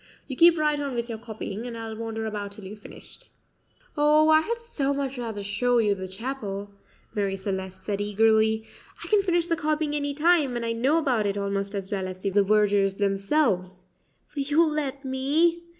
You keep right on with your copying, and I'll wander about till you've finished." "Oh, I had so much rather show you the chapel," Marie Celeste said eagerly. "I can finish the copying any time, and I know about it almost as well as the vergers themselves will you let me?"